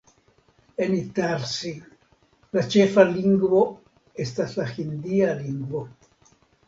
En Itarsi la ĉefa lingvo estas la hindia lingvo.